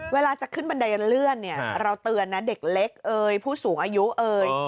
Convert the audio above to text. เวลาจะขึ้นบันไดเลื่อนเนี่ยเราเตือนนะเด็กเล็กเอ่ยผู้สูงอายุเอ่ย